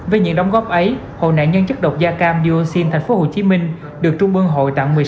với những đóng góp ấy hội nạn nhân chất độc da cam diozine tp hcm được trung bương hội tặng